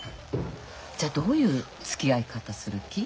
じゃあどういうつきあい方する気？